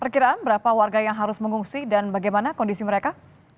perkiraan berapa warga yang harus mengungsi dan bagaimana kondisi mereka